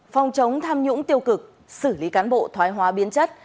phòng chống tham nhũng tiêu cực xử lý cán bộ thoái hóa biến chất